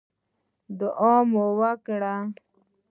دعا مو وکړه.